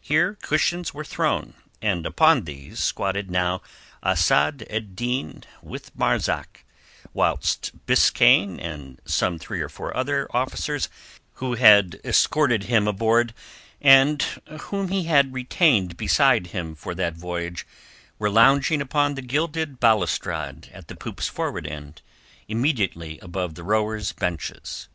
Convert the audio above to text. Here cushions were thrown, and upon these squatted now Asad ed Din with Marzak, whilst Biskaine and some three or four other officers who had escorted him aboard and whom he had retained beside him for that voyage, were lounging upon the gilded balustrade at the poop's forward end, immediately above the rowers' benches.